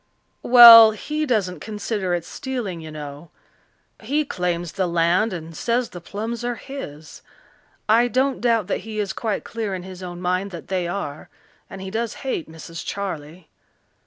"Well, he doesn't consider it stealing, you know. He claims the land and says the plums are his. I don't doubt that he is quite clear in his own mind that they are. And he does hate Mrs. Charley.